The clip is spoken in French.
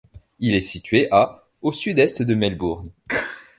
Il est situé à au sud-est de Melbourne.